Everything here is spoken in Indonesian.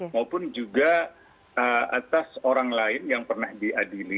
maupun juga atas orang lain yang pernah diadili